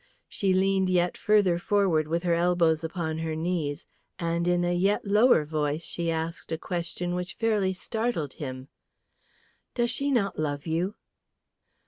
She leaned yet further forward with her elbows upon her knees, and in a yet lower voice she asked a question which fairly startled him. "Does she not love you?"